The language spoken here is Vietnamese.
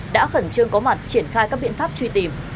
đã khẩn trương có mặt triển khai các biện pháp truy tìm